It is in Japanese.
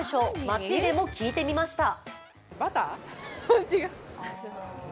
街でも聞いてみました。